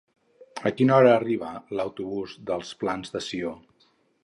A quina hora arriba l'autobús dels Plans de Sió?